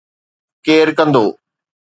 ڪير ڪندو؟